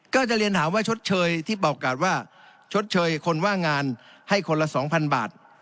ก็จะเรียนถามว่าชดเชยที่บอกกาดว่าชดเชยคนว่างงานให้คนละ๒๐๐บาท